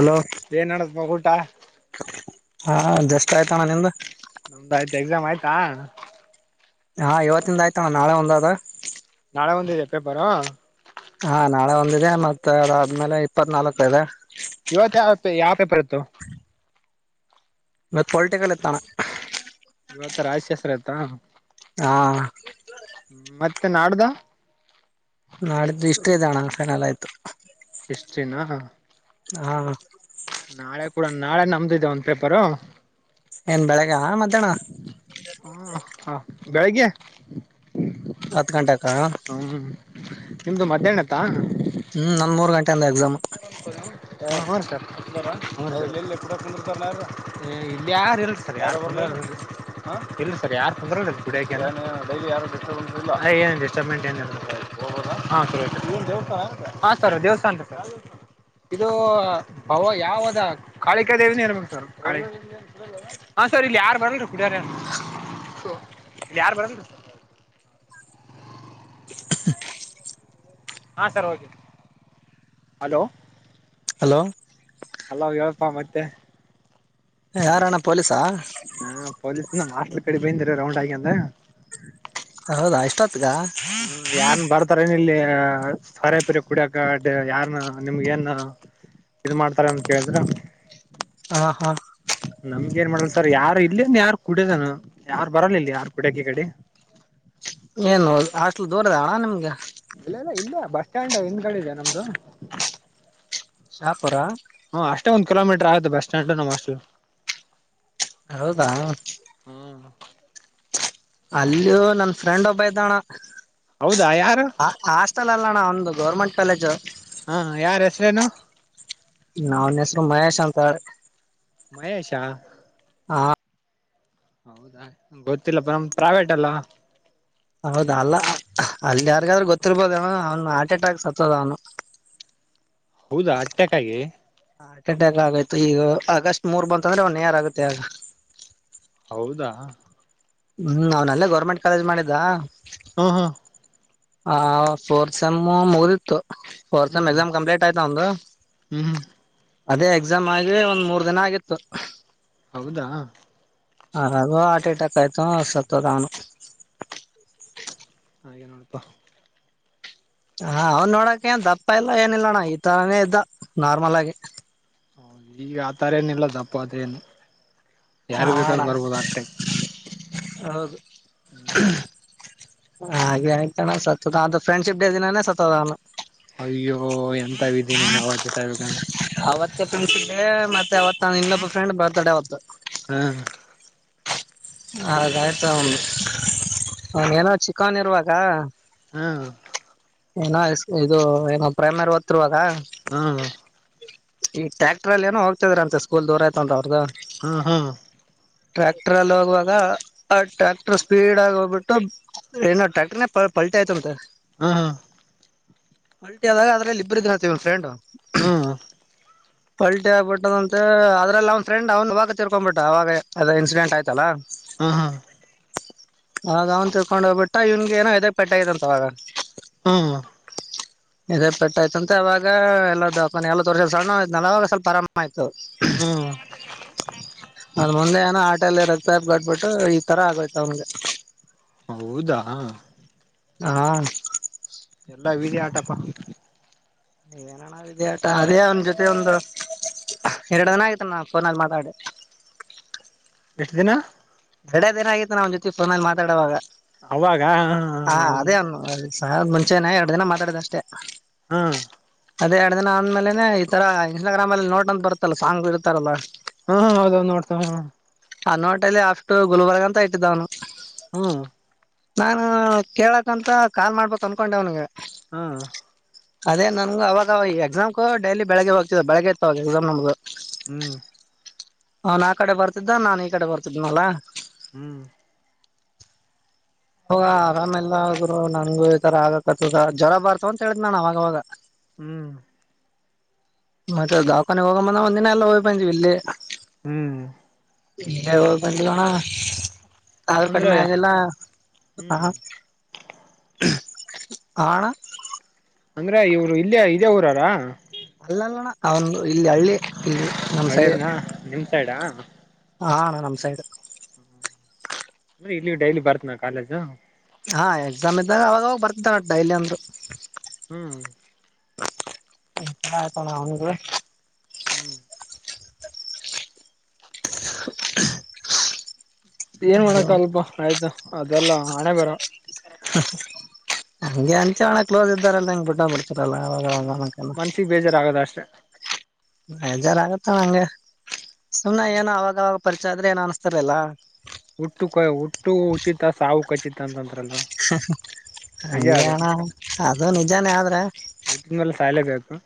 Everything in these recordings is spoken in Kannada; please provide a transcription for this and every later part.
ಹಲೋ ಏನ್ಡತ್ಪ್ಪ ಊಟ ಹಾ ಎಷ್ಟ ಆಯ್ತಣ್ಣ ನಿಮ್ದ ನಮ್ದ ಆಯ್ತು ಎಕ್ಸಾಮ್ ಆಯ್ತಾ ಹಾ ಇವತ್ತಿಂದ ಆಯ್ತಣ ನಾಳೆ ಒಂದದ ನಾಳೆ ಒಂದು ಎಪ್ಪ ಬರ ಹಾ ನಾಳೆ ಒಂದಿದೆ ಮತ್ತತ್ ಅದಾದ್ಮೇಲೆ ಇಪ್ಪತ್ ನಾಲ್ಕು ಇದೆ ಇವತ್ತು ಯಾವ ಯಾವ ಪೇಪರ್ ಇತ್ತು ಮ ಪೊಲಿಟಿಕಲ್ ಎತ್ತಾನ ಇವತ್ತ ರಾಜಶಾಸ್ತ್ರ ಆತಾ ಹಾ ಮತ್ತೆ ನಾಡ್ದ ನಾಡಿದ್ರೆ ಇಷ್ಟ ಇದ್ದಣ್ಣಕ್ಷಲ್ಲ ಆಯ್ತು ಎಷ್ಟ ದನಾ ಹಾ ನಾಳೆ ಕೂಡ ನಾಳೆ ನಮ್ದು್ದೇ ಒಂದ್ ಪೇಪರು ಏನ್ ಬೆಳಗ್ಗೆ ಮಧ್ಯಾಹ್ನ ಹಾ ಹಾ ಬೆಳಿಗ್ಗೆ ಹತ್ತು ಗಂಟೆ ಹೌಂಗ ನಿಮ್ದು ಮಧ್ಯಾಹ್ನತ್ತಾ ಹ್ಮ್ ನಂದ್ ಮೂರ್ ಗಂಟೆ ಅಂದೆ ಎಕ್ಸಾಮ್ ಹ ಹ ಇಲ್ಲಿ ಯಾರು ಇ ಸರ್ ಯಾರು ಬ ಇ ಸರ್ ಯಾರು ತಂದ ಏ ಸ ದೇವಸ್ಥಾನ ಅ ಇದು ಭವ ಯಾವದ ಕಾಳಿಕ ದೇವನ ನ್ಬೇಕು ಸರ್ ಹಾ ಸರ್ ಇಲ್ಲಿ ಯಾರು ಬರಲ್ರಿ ಕುಡಿಯಾರೆ ಇ ಯಾರು ಬರಲ್ರಿ ಹಾಂ ಸರ್ ಓಕೆ ಹಲೋ ಹಲೋ ಅಲ್ಲ ಹೇಳಪ್ಪಾ ಮತ್ತೆ ಯಾರಣ್ಣ ಪೊಲೀಸ ಇ ಮಟ್ಲ್ ಕಡೆ ಬೈಂದಿರ ರೌಂಡ್ ಆಗಿ ಅಂತ ಹೌದಾ ಇಷ್ಟ ಹ ಯನ್ ಬರ್ತಾರನ ಇಲ್ಲಿ ಸರೆಪುರಿ ಕುಡಿಯಕ ಯಾರನ್ನ ನಿಮ್ಗ ಏನ್ ಇದ ಮಾಡ್ತಾರ ಅಂತ ಕೇಳಿದ್ರ ಹಾ ಹಾ ನಮ್ಗ ಏನ್ ಮಾಡಲ್ ಸರ್ ಯಾರು ಇಲ್ಲಿ ಅಂದ ಯಾರು ಕುಡ್ಯದಾನ ಯಾರು ಬರಲ್ಲ ಇಿಲ್ಲ ಯಾರು ಕುಡ್ಯಕ ಈ ಕಡೆ ಏನು ಹಾಸ್ಟ್ಲ್ ದೂರದ ಅಣಾ ನಿಮ್ಗ ಇಲ್ಲ ಇಲ್ಲ ಬಸ್ ಸ್ಟ್ಯಾಂಡ್ ಹಿಂದ್ ಕಡೆಿದೆ ನಮ್ದು ಶಾಪುರ ಹ್ಮ ಅಷ್ಟೇ ಒಂದ್ ಕಿಲೋಮೀಟರ್ ಆ ಬ ಸ್ಟ್ಯಾಂಡ ನಮ್ಮಾಷ್ಟ ಹೌದಾ ಅಲ್ಲಿಯೂ ನನ್ ಫ್ರೆಂಡ್ ಒಬ್ಬ ಇದ್ದಣ ಹೌದಾ ಯಾರು ಆ ಆಷ್ಟತಲ ಅಲ್ಲಣ ಒಂದು ಗೌರ್ಮೆಟ್ ಕಾಲೇಜ್ ಹಾ ಯಾರ ಹೆಸ್ರೇನು ನಾವನ ಹೆಸರು ಮಹೇಶ್ ಅಂಕ ಸ ಮಹೇಶಾ ಹೌದಾ ಗೊತ್ತಿಲ್ಲ ಪರಮ ಪ್ರವೇಟ್ ಅಲ್ಲ ಹೌದ ಅಲ್ಲ ಅಲ್ಲಿ ಯಾರಿಗಾದ್ರೂ ಗೊತ್ತಿರ್ಬೋದ ಅವನು ಹಾರ್ಟ್ ಅಟ್ಯಾಕ್ ಸತ್ತದ ಅವನು ಹೌದಾ ಅಟ್ಟೆಕಾಗಿಿ ಹಾ ಕಂಟಕ್ ಆಗಯ್ತು ಈಗ ಆಗಸ್ಟ್ ಮೂರ್ ಬಂತಂದ್ರೆ ಒನ್ ಯಾರ್ ಆಗುತ್ತೆ ಆಗ ಹೌದಾ ಹ್ಮ್ ಅವ್ನಲ್ಲೇ ಗೌರ್ಮೆಂಟ್ ಕಾಲೇಜ್ ಮಾಡಿದ್ದ ಹಾ ಹಾ ಹ ಸೋರ್ಸಮ್ಮು ಮುಗಿದಿತ್ತು ಫೋರ್ಮ್ ಹ್ಮ್ ಎಕ್ಸಾಮ್ ಕಂಪ್ಲೀಟ್ ಆಯ್ತಾ ಒಂದು ಹ್ಮ್ ಅದೇ ಎಕ್ಸಾಮ್ ಆಗಿ ಒಂದ್ ಮೂರ್ ದಿನ ಆಗಿತ್ತು ಹೌದಾ ಅದು ಹಾರ್ಟ್ ಎಟ್ಯಾಕ್ ಆಯ್ತು ಸತ್ತ ಹೋದಾಅವನು ಹಾಗೆ ನೋಡಪ ಹಾ ಅವನ್ ನೋಡಕ ಏನ್ ದಪ್ಪ ಇಲ್ಲ ಏನಿಲ್ಲಣ್ಣ ಈ ತರಾನೇ ಇದ್ದ ನಾರ್ಮಲ್ ಆಗಿ ಹೌದು ಈಗ ಆ ತರ ಏನ ಇಲ್ಲದಪ್ಪ ಅದೇನು ಹ ಯಾರಿಗೆ ಅಣ್ಣ ಬೇಕಾದ್ರೆ ಬರ್ಬೋದು ಆಗ್ತ ಹೌದು ಇಲ್ಲ ಹಾಗೆ ಆಯತಾನ ಸತ್ತದ ಅ ಫ್ರೆಂಡ್ಶಿಪ್ ಡೇ ದಿನಾನೇ ಸತ್ತಹೊದಾಅನು ಅಯ್ಯೋ ಎಂತ ವಿದಿ ನೋಡ ಅವತ್ತ ಸಾಯಬೇಕಂದ್ರೆ ಅವತ್ತ ಫೆಂಡ್ ಮತ್ತೆ ಅವತ್ ನ ಇನ್ನೊಬ್ಬ ಫ್ರೆಂಡ್ ಬರ್ತ್ಡೇ ಅವತ್ ಹ್ಮ್ ಹಾ ಗಾಯತ ಅವನ್ ಹ ಏನೋ ಚಿಕನ್ ಇರುವಾಗ ಹ್ಮ್ ಏನೋ ಇದು ಏನೋ ಪ್ರೇಮರ್ ಓತ್ತಿರ್ರುವಾಗ ಹ್ಮ ಈ ಟ್ಯಾಕ್ಟರ್ ಅಲ್ಲಿ ಏನೋ ಹೋಗತಿದ್ರ ಅಂತೆ ಸ್ಕೂಲ್ ದೂರ ಇತ ಅಂತ ಅವ್ರದು ಹ್ಮ ಹ್ಮ್ ಟ್ರ್ಯಾಕ್ಟರ್ ಅಲ್ಲಿ ಹೋಗುವಾಗ ಆ ಟ್ರ್ಯಾಕ್ಟರ್ ಸ್ಪೀಡ್ ಆಗಿ ಹೋಗ್ಬಿಟ್ಟು ಏನೋ ಟ್ಯಾಕ್ಟರ್ ಪಲ್ಟೆ ಆಯತ ಅಂತೆ ಹಾ ಹಾ ಪಲ್ಟಿ ಆದಾಗ ಅದ್ರಲ್ಲಿ ಇಬ್ಬರು ಇದ್ರುತ್ತ ವ ಫ್ರೆಂಡ್ ಹ್ಮ್ ಪಲ್ಟಿ ಆಗ್ಬಿಟ್ಟದ ಅಂತೆ ಅದ್ರಲ್ಲಿ ಅವನ್ ಫ್ರೆಂಡ್ ಅವನು ವಾಗ ತಿರ್ಕೊಬಿಟ್ಟ ಅವಾಗ ಅದ ಇನ್ಸಿಡೆಂಟ್ ಆಯ್ತಲ್ಲಾ ಹ ಆ ಅವ್ನ್ ತಿರ್ಕೊಂಡು ಹೋಗ್ಬಿಟ್ಟ ಇವನ್ ಏನೋ ಇದ ಪೆಟ್ಟ ಆಗ್ಂತ ಅವಾಗ ಹ ನಿ ಪಟ್ಟಾಯ್ತಂತೆ ಅವಾಗ ಎಲ್ಲ ದಪ ಸಣ್ಣಗ ವಯಸ್ಸು ನಲ ಸ್ವಲ್ಪಆರಾಮ ಆಯಿತು ಹೌ ಹ ಅದ ಮುಂದೆ ಏನೋ ಹಾಟಲ್ಲ ರಕ್ತಾ ಹೇಪ್ಪಗಟಿ ಬಿಟ್ಟು ಈ ತರ ಆಗೋಯ್ತ ಅವನ್ಗೆ ಹೌದಾ ಹಾ ಎಲ್ಲಾ ವಿಧಿ ಆ ಟಪ್ಪ ನೀ ಏನ ಅಣಾ ವಿದಿಆಟ ಅದೇ ಅವನ ಜೊತೆ ಒಂದು ಎರಡು ದಿನ ಆಯತನ ನಾ ಫೋನಲ್ಲಿ ಮಾತಾಡಿ ಎಷ್ಟು ದಿನ ಎರಡ ದಿನ ಆಗಿತ್ತು ನ್ ಜೊತೆ ಫೋನಲ್ಲಿ ಮಾತಾಡುವಾಗ ಅವಾಗ ಹ ಮುಂಚೆನ ಎರಡು ದಿನ ಮಾತಾಡಿದ ಅಷ್ಟೇ ಹ್ಮ್ ಅದೇ ಎರಡು ದಿನ ಆದಂದ್ಮೇಲೆನೆ ಈ ತರ ಇನ್ಸ್ಟಾಗ್ರಾಮ್ ಅಲ್ಲಿ ನೋಟ್ ಅಂತ ಬರ್ತ್ತಲ್ಲ ಸಾಂಗ್ಗಳು ಇರ್ತಾರಲ್ಲಾ ಹಾ ಹೌದದು ನೋಡ್ತೇ ಹ ಆ ನೋಟ ಅಲ್ಲಿ ಅಷ್ಟು ಗುಲ್ಬರ್ಗ ಅಂತ ಇಟ್ಟಿದ್ದವನು ಹ್ಮ್ ನಾನು ಕೇಳಕ್ಂತ ಕಾಲ್ ಮಾಡ್ಬ ಅನ್ಕೊಂಡೆ ಅವನಿಗೆ ಹ್ಮ ಅದೇ ನನ್ ಅವಾಗ ಎಕ್ಸಾಮ್ಗೆ ಡೈಲಿ ಬೆಳಗ್ಗೆ ಹೋಗ್ತದ ಬೆಳಗ್ಗೆ ಇತ್ತವಾಗ ಎಕ್ಸಾಮ್ ನಮ್ದು ಹ್ಮ್ ಅವನ್ ಆ ಕಡೆ ಬರ್ತಿದ್ದ ನಾನ್ ಈ ಕಡೆ ಬರ್ತಿದ್ನಲ್ಲ ಹ್ಮ್ ಹೋಗ ಆರಾಮೆಲ್ಲ ಆದರು ನಂಗು ಈ ತರ ಆಗಕತದ ಜ್ವರ ಬಾರತವ ಅಂತ ಹೇಳಿದ್ ನಾನ ಅವಾಗವಾಗ ಹ್ಮ್ ಮತ್ತೆ ದಾಖಾನಗ್ ಹೋಗಂಬಂದ ಒಂದಿನ ಎಲ್ಲ ಹೋಗ್ ಬಂದೀವಿ ಇಲ್ಲಿ ಹ್ಮ್ ಇ ಬಜ ತಣ ತಾದು ಅಂದ್ರೆ ಕಡಿಮೆ ಆಗಲ್ಲ ಹ್ಮ್ ಹಾ ಹ ಅಂದ್ರೆ ಇವ್ರು ಇಲ್ಲಿ ಇದೇ ಊರಾರ ಅಲ್ಲಲ್ಲಣ ಅವನ್ ಇಲ್ಲಿ ಹಳ್ಳಿ ಇಲ್ಲಿ ನಮ್ಮ್ ಸೈಡ್ ಹಳ್ಳಿನ ನಿಮ್ ಸೈಡಾ ಹಣ ನಮಸಾಯದು ಅಂದ್ರೆ ಇಲ್ಲಿ ಡೈಲಿ ಬರ್ತ್ನ ಕಾಲೇಜು ಹಾ ಎಕ್ಸಾಮ್ ಇದ್ದಾಗ ಅವಾಗಾಗ ಬರ್ತಿದ್ದಾನ ಡೈಲಿ ಅಂದ್ರರು ಹ್ಮ್ ಆಯ್ತಣ ಅವಗೆ ಹ್ಮ್ [inaudible] ಏನ್ ಮಾಡಕ ಅಲ್ಪ ಆಯ್ತಾ ಅದೆಲ್ಲಾ ಹಣೆ ಬರ ಹಂಗೆ ಅಂಚ ಒಣ ಕ್ಲೋಸ್ ಇದ್ದಾರಲ್ಲ ನಂಗ್ ಬಿಟ್ಟ ಬಿಟ್ಟ ಹ್ಮ ಮನ್ಸಿಿಗೆ ಬೇಜಾರಾಗದ ಅಷ್ಟೆ ಬಜಾರ್ ಆಗತ್ತ ನಂಗೆ ಸುಮ್ ಏನ ಅವಾಗ ಪರಿಚಯ ಆದ್ರೆ ಏನ್ ಅನಿಸತಾರಲ್ಲ ಹುಟ್ಟು ಕ ಹುಟ್ಟು ಉಚಿತ ಸಾವು ಖಚಿತ ಅಂತಂದ ಹಗೆಣ್ಣ ಅದು ಹ್ಮ್ ನಿಜಾನೇ ಆದ್ರೆ ಹುಟ್ಟಿದ ಮೇಲೆ ಸಾಯ್ಲೇಬೇಕು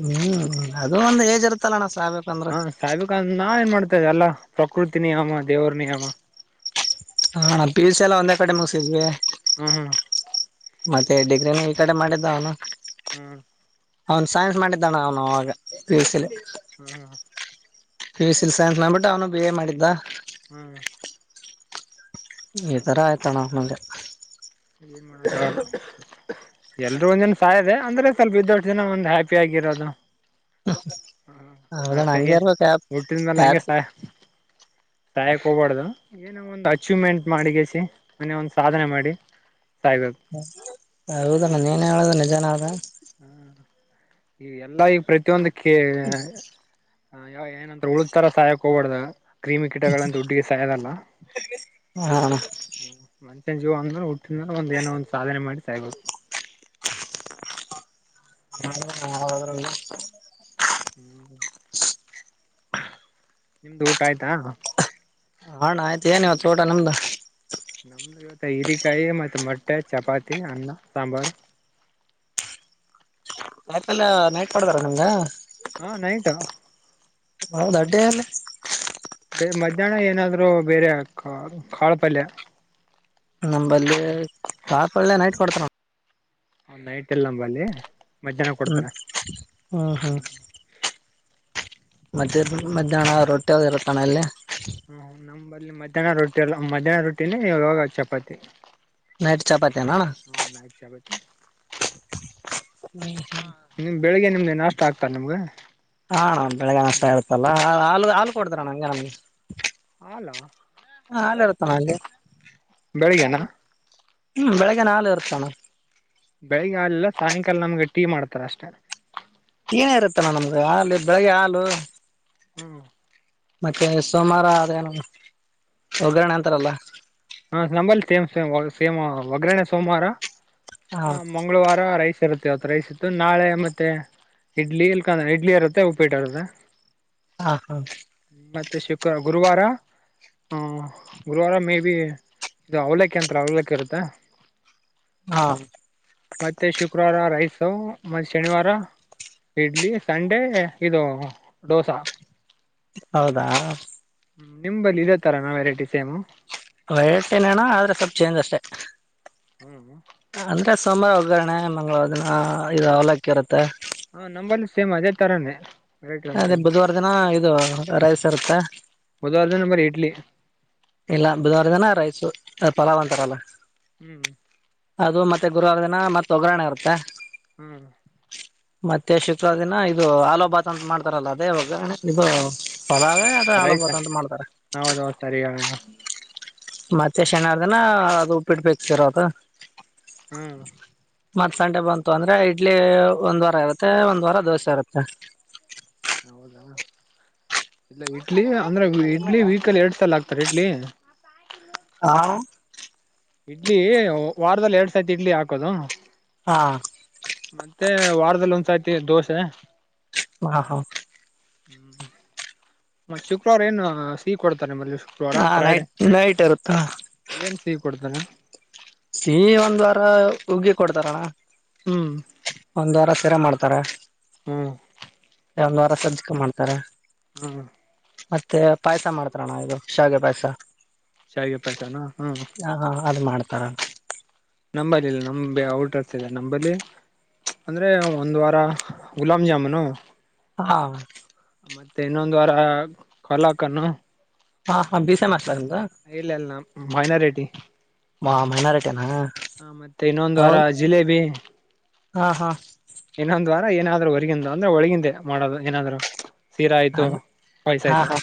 ಹ್ಮ್ ಅದು ಒಂದ್ ಏಜ್ ಇರ್ತ್ತಲ್ಲಣ ಹಾ ಸಾಹಿಬ್ ಖಾನ್ ನಾ ಏನ್ ಮಾಡ್ತೇ್ದ ಅಲ್ಲಾ ಪ್ರಕೃತಿ ನಿಿಯಮ ದೇವರ ನಿಿಯಮ ಹಾ ನಾ ಪೀಲ್ಸ ಎಲ್ಲ ಒಂದೇ ಕಡೆ ಮುಗಿಸಿದ್ವಿ ಹ್ಮ್ ಹ್ಮ್ ಮತ್ತೆ ಡಿಗ್ರಿನ ಈ ಕಡೆ ಮಾಡಿದ್ದ ಅವನು ಹ್ಮ್ ಅವನು ಸೈನ್ಸ್ ಮಾಡಿದ್ದಾನ ಅವನು ಅವಾಗ ಪಿ ಎಸ್ ಸಿಲಿ ಹ್ಮ್ ಹ್ಮ್ ಪಿ ಯು ಸಿಲಿ ಸೈನ್ಸ್ ಮಾಡ್ಬಿಟ್ಟು ಅವನು ಬಿ ಎ ಮಾಡಿದ್ದ ಹ್ಮ್ ಈ ತರ ಆಯ್ತಣ ನನಗೆ ಏನ್ ಮಾಡ [inaudible] ಎಲ್ರುೂ ಒಂದ್ನ ಸಯೋದೆ ಅಂದ್ರೆ ಸ್ವಲ್ಪ ಇದೊಷ್ಟ ದಿನ ಒಂದ್ ಹ್ಯಾಪಿ ಆಗಿರೋದು [unintelligible] ಹೌದಣ ಅಷ್ಟಾಗಿ ಹುಟ್ಟಿದ್ಮೇಲೆ ಹಂಗಗೆರ್ಬೇಕ್ಯಾಪಿ ಹಂಗೆ ಸಾಯ ಸಾಯಕ್ ಹೋಗಬಾರ್ದು ಏನ ಒಂದ್ ಅಚೀವ್ಮೆಂಟ್ ಮಾಡಿಗಸಿ ಮನ ಒಂದ್ ಸಾಧನೆ ಮಾಡಿ ಸಾಯ್ಬೇಕು ಹೌದಣ ನೀನ್ ಹೇಳುದು ಜನ ಹ ಹ್ಮ್ ಈ ಎಲ್ಲ ಈಗ ಪ್ರತಿಯೊಂದು ಕೆ ಆಯೋ ಏನಂದ್ರ ಉಳು ತರ ಸಹಾಯ ಕೋವಡ್ದ ಕ್ರಿಮಿ ಕೀಟಗಳಂತ ದುಡ್ಡುಗೆ ಸಾಯದಲ್ಲ ಹಾ ಜು ಅ್ರ [inaudible] ಒಂದ ಏನೋ ಒಂದಂದು ಸಾಧನೆ ಮಾಡಿ ಸಯ್ಬೇಕು ಅ ನ [inaudible] ಹ್ಮ್ [inaudible] ನಿಮ್ದು ಊಟ ಆಯ್ತಾ ಹಣ ಆಯ್ತು ಏನಿವತ್ತು ತೋಟ ನಮ್ದು ಹೀರಿಕಾಯಿ ಮತ್ತೆ ಮೊಟ್ಟೆ ಚಪಾತಿ ಅನ್ನ ಸಾಂಬಾರ್ ಯಾಕೆಲ್ಲ ನೆಟ್ ಮಾಡ್ದಾರ ನಿಂಗ ಹಾ ನೈಟಾ [inaudible] ಹೌದ ಅಡ್ಡಿ ಅಲ್ಲಿ ಹೇ ಮಧ್ಯಾಹ್ನ ಏನಾದ್ರರು ಬೇರೆ ಕಾಳು ಪಲ್ಯ ನಂಬಲ್ಲಿ ಕಾ ಲಪಳ್ಳೆ ನೈಟ್ ಕೊಡ್ತಾರ ಹ ನೈಟ್ ಎಲ್ಲ ನಂಬಲ್ಲಿ ಮಧ್ಯಾಹ್ನ ಹ್ಮ ಕೊಡ್ತಾರೆ ಹ್ಮ ಹಾ ಮತ್ತೆ ಮಧ್ಯಾಹ್ನ ರೊಟ್ಟಿ ಅ ಇರತಣ ಅಲ್ಲೇ ಹ್ಮ ನಮ ಬರಲಿ ಮಧ್ಯಾಹ್ನ ರೊಟಿಲ್ಲ ಮಧ್ಯಾಹ್ನ ರೊಟ್ಟಿನೇ ಇವಾಗ ಚಪಾತಿ ನೈಟ್ ಚಪಾತಿಯಣ ಹ ನೈಟ್ ಚಪಾತಿ ಹ್ಮ್ ಹ್ಮ್ ನಿಮ್ ಬೆಳಿಗ್ಗೆ ನಿಮ್ನೆ ನಾಷ್ಟ ಆಗ್ತಾ ನಿಮ್ಗ ಹಾ ಬೆಳಗ್ಗಗೆ ಅಷ್ಟ ಆಗತ್ತಲ್ಲ ಹಾ ಹಾಲು ಕೊಡದ್ರಣ ಹಂಗೆ ನಮಗೆ ಅಲ ಇರುತ್ತಣ ಅಲ್ಲಿ ಬೆಳಗೆನಾ ಹ್ಮ್ ಬೆಳಿಗ್ಗೆ ನಾಳೆ ಇರ್ತಣ ಬೆಳಿಗ್ಗೆ ಆಾಲಲ್ಲ ಸಾಯಂಕಾಲ ನಮ್ಗೆ ಟೀ ಮಾಡ್ತಾರ ಅಷ್ಟೇ ಏನೇ ಇರುತ್ತಲ್ಲ ನಮ್ಗೆ ಹಾಲು ಬೆಳಿಗ್ಗೆ ಹಾಲು ಹ್ಮ್ ಮತ್ತೆ ಸೋಮವಾರ ಅೇನು ಒಗ್ಗ್ರರಣೆ ಅಂತಾರಲ್ಲ ಹಾ ನಂಬಲ್ಲಿ ಸೇಮ್ ಸೇಮ ಒಗ್ಗರಣೆ ಸೋಮವಾರ ಹಾ ಹ ಮಂಗಳವಾರ ರೈಸ್ ಇರುತ್ತೆ ಅವತ್ ರೈಸ್ ಇತ್ತು ನಾಳೆ ಮತ್ತೆ ಇಡ್ಲಿ ಇಲ್ಕ ಇಡ್ಲಿ ಇರುತ್ತೆ ಉಪಿಟ ಇರುತ್ತೆ ಹಾ ಹಾ ಮತ್ತೆ ಶುಕ್ರ ಗುರುವಾರ ಗುರುವಾರ ಮೇ ಬಿ ಇದು ಅವಲೇಕ ಅಂತ ಅವಲೇಕ ಇರುತ್ತೆ ಹಾ ಮತ್ತೆ ಶುಕ್ರವಾರ ರೈಸ್ ಮೆ ಶನಿವಾರ ಇಡ್ಲಿ ಸಂಡೆ ಇದು ಡೋಸಾ ಹೌದಾ ಹ್ಮ ನಿಂಬಲ್ಲಿ ಇದ ತರಾನ ವೆರೈಟಿ ಸೇಮು ವೆರೈಟಿ ನೆ ಆದ್ರೆ ಸ್ವಲ್ಪ್ ಚೇಂಜ್ ಅಷ್ಟೆ ಹ್ಮ್ ಸೋಮವಾರ ಒಗ್ಗರಣೆ ಮಂಳವಾರ ದಿನ ಇದು ಅವಲಕ್ಕಿರುತ್ತೆ ಹಾ ನಂಬಲಿ ಸೇಮ್ ಅದೇ ತರಾನೇ ವೆರೈಟಿ ಅದೇ ವೆರೈಟಿ ಬುಧವಾರ ದಿನ ಇದು ರೈಸ ಇರುತ್ತೆ ಬುಧವಾರ ದಿನ ಬರಿ ಇಡ್ಲಿ ಇಲ್ಲ ಬುಧವಾರ ದನ ರೈಸು ಪಲಾವ್ ಅಂತಾರಲ್ಲ ಹ್ಮ್ ಅದು ಮತ್ತೆ ಗುರುವಾರ ದಿನ ಮತ್ ಒಗ್ಗರಣೆ ಇರುತ್ತೆ ಹ್ಮ್ ಮತ್ತೆ ಶುಕ್ರ ದಿನ ಇದು ಆಲೋಭಾತ ಅಂತ ಮಾಡ್ತಾರಲ್ಲ ಅದೇವಾಗ ಇದು ಹಾ ಪಲಾವೇ ಅದು ರೈಸ ಆಲೂಭಾತ್ ಅಂತ ಮಾಡ್ತಾರೆ ಹೌದ ಹೌ ಸರಿಗ ಮತ್ತೆ ಶನಾರ ದಿನ ಅದು ಉಪ್ಪಿಡ್ಬೇಕತಿರೋದು ಹ್ಮ್ ಮತ್ತ ಸಂಡೆ ಬಂತು ಅಂದ್ರೆ ಇಡ್ಲಿ ಒಂದ್ ವಾರ ಇರುತ್ತೆ ಒಂದ್ ವಾರ ದೋಸೆ ಇರುತ್ತೆ ಹೌದಾ ಇಲ್ಲ ಇಡ್ಲಿ ಅಂದ್ರೆ ಲಿಮಿಟ್ ಇಡ್ಲಿ ವೀಕಲಿ ಹಾ ಎರಡ್ ಸಲ ಆಗ್ತಾರೆ ಇಡ್ಲಿ ಇಡ್ಲಿ ವಾರದಲ್ಲಿ ಎರಡ್ ಸತಿ ಇಡ್ಲಿ ಹಾಕದು ಹಾ ದೋಷ ಹ ಹಾ ಹಾ ಹ್ಮ್ ಮತ್ತ ಶುಕ್ರವಾರ ಏನ್ ಸಿಹಿ ಕೊಡ್ತ ನಿಮ್ಮಲ್ಲಿ ಶುಕ್ರವಾರ ಹಾ ಫ್ರೈಡೆ ನೈಟ್ ನೈಟ್ ಇರುತ್ತಾ ಏನ್ ಸಿಹಿ ಕೊಡ್ತಾರೆ ಸಿ ಒಂದ್ ವಾರ ಉಗ್ಗಿ ಕೊಡ್ತಾರಣ ಹ್ಮ್ ಸಿರಾ ಮಾಡ್ತಾರಾ ಹ್ಮ್ ಒಂದ್ ವಾರ ಸಜ್ಜಕ ಮಾಡ್ತಾರ ಹ್ಮ್ ಮತ್ತೆ ಪಾಯಸ ಮಾಡ್ತರಣ ಇದು ಶಾಗೆ ಪಾಯಸ ಶಾವಿಗೆ ಪಾಯಸಾನ ಹ್ಮ ಕಾರ ಔಟರ್ಸ್ ನಂಬಲ್ಲಿ ಅಂದ್ರೆ ಒಂದ್ ವಾರ ಗುಲಾಬ್ ಜಾಮೂನು ಹಾ ಮತ್ತೆ ಇನ್ನೊಂದ್ ವರ ಕಲಾಕನ್ನು ಹಾ ಹ ಬಿಿಸೆ ಮಾರ್ ಇಲ್ಲಲ್ಲ ಮೈನಾರಿಟಿ ಹ ಮೈನಾರಿಟಿನಾ ಹ ಮತ್ತೆ ಇನ್ನೊಂದು್ ವಾರ ಹೌದ ಜಿಲೇಬಿ ಹಾ ಹಾ ಇನ್ನೊಂದ್ ವಾರ ಏನಾದ್ರು ಹೊರ್ಗಿಂದಂದು ಅಂದ್ರೆ ಒಳಗಿಂದೆ ಮಾಡೋದು ಏನಾದ್ರು ಸೀರಾ ಆಯ್ತು ಹ ಪಾಯ್ಸ ಹಾ ಆಯ್ತು ಹಾ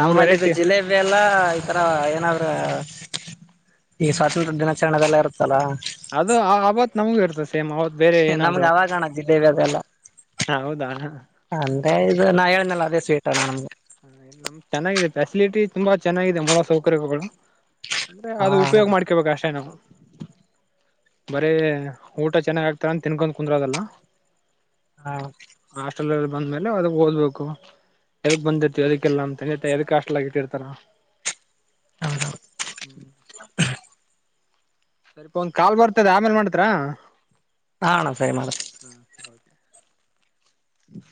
ಮೂರ್ ವೆರೈಟಿ ಜಿಲೇಬಿ ಎಲ್ಲ ಈತರ ಏನಾದ್ರ ಈ ಸ್ವಾತಂತ್ರ ದಿನಾಚರಣೆದೆಲ್ಲ ಇರುತ್ತಲ್ಲಾ ಅದು ಆ ಆಬತ್ ನಮಗು ಇರ್ತದೆ ್ ಅವದ್ ಬೇರೆ ನಮ್ಗೆ ಏನಾದ್ರು ಅವಾಗಣ ಜಿಲೇಬಿ ಅದೆಲ್ಲ ಹ ಹೌದಾ ಅಂದ್ರೆ ಇದು ನಾ ಹೇಳನೆಲ್ಲ ಅದೇ ಸ್ವೀಟ್ ಅಲ್ಲ ನಮ್ಗೆ ಹ ನಮ ಚೆನ್ನಾಗಿದೆ ಫ್ಯಾಸಿಲಿಟಿ ತುಂಬಾ ಚೆನ್ನಾಗಿದೆ ಮೂಲ ಸೌಕರ್ಯಗಳು ಅಂದ್ರೆ ಹಾ ಅದು ಉಪಯೋಗ ಮಾಡ್ಕೊಬೇಕು ಅಷ್ಟೇ ನಾವು ಬರೀ ಊಟ ಚೆನ್ನಾಗ್ ಆಗ್ತಾರ ಅಂತ ತಿನ್ಕೊಂಡ ಕುಂದ್ರ ಅದಲ್ಲ ಹಾ ಬಂದ ಮೇಲೆ ಅದ ಓದ್ಬೇಕು ಎಗ್ ಬಂದ ೋದಕ್ಕೆಲ್ಲ ಅಂತ ಎದ ಕಾಸ್ಟ್ಲಗ ಇಟ್ಟಿರ್ತಾರ ಹೌದೌದು ಹ್ಮ್ ಸರಿಪ ಒಂದ ಕಾಲ್ ಬರ್ತದ ಆಮೇಲ್ ಮಾಡ್ತಾರಾ ಹಾ ಅಣ್ಣ ಸರಿ ಮಾಡ ಹಾದೆ ಹ್ಮ